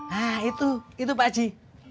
hah itu pak ji